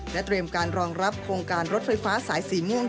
เตรียมการรองรับโครงการรถไฟฟ้าสายสีม่วง